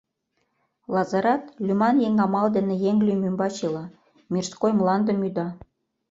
Лазырат лӱман еҥ амал дене еҥ лӱм ӱмбач ила, мирской мландым ӱда.